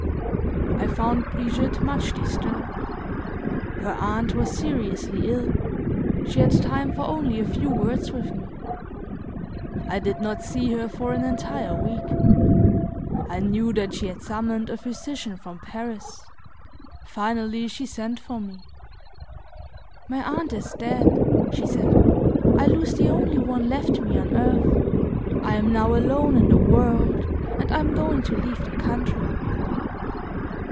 I found Brigitte much disturbed; her aunt was seriously ill; she had time for only a few words with me. I did not see her for an entire week; I knew that she had summoned a physician from Paris; finally, she sent for me. "My aunt is dead," she said; "I lose the only one left me on earth, I am now alone in the world and I am going to leave the country."